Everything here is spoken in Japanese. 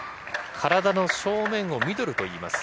体の正面をミドルといいます。